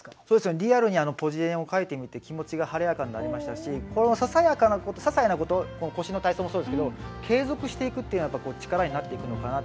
リアルにぽじれんを書いてみて気持ちが晴れやかになりましたしささいなこと、腰の体操もそうで継続していくというのが力になっていくのかなと。